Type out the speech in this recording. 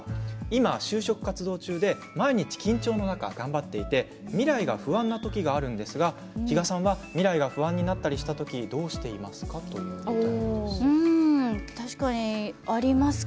今、就職活動中で毎日緊張の中頑張っていて未来が不安な時があるのですが比嘉さんは未来が不安になったりした時どうしていますか。というお便りです。